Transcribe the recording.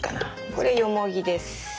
これよもぎです。